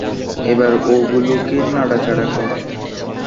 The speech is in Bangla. এবার ওগুলোকে নাড়াচাড়া করো!